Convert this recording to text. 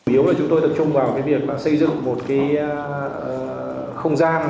yếu là chúng tôi tập trung vào việc xây dựng một không gian